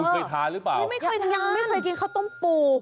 คุณเคยทานรึเปล่ายังไม่เคยกินข้าวโต้มปู